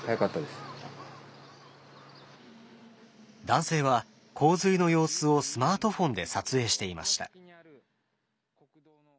男性は洪水の様子をスマートフォンで撮影していました。